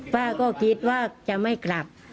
ป้าก็คิดว่าจะไม่กลับ